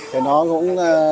thì nó cũng